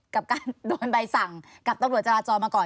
กับการโดนใบสั่งกับตำรวจจราจรมาก่อน